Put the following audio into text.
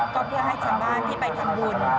ก็เพื่อให้ชาวบ้านที่ไปทำบุญ